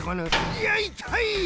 いやいたい！